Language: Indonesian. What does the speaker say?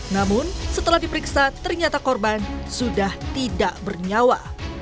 namun setelah diperiksa ternyata korban sudah tidak bernyawa